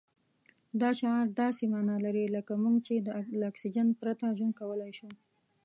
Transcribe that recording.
دا شعار داسې مانا لري لکه موږ چې له اکسجن پرته ژوند کولای شو.